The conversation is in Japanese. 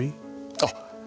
あっ！